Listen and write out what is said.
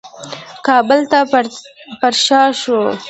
کابل ته پرشا شو.